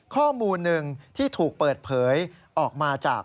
ข้อมูลหนึ่งที่ถูกเปิดเผยออกมาจาก